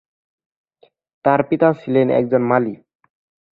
তার পিতা ছিলেন একজন মালি।